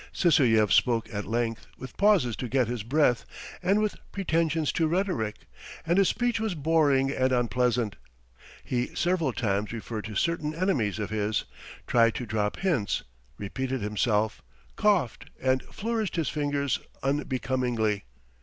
Sysoev spoke at length, with pauses to get his breath and with pretensions to rhetoric, and his speech was boring and unpleasant. He several times referred to certain enemies of his, tried to drop hints, repeated himself, coughed, and flourished his fingers unbecomingly.